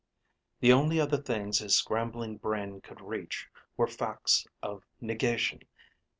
The only other things his scrambling brain could reach were facts of negation.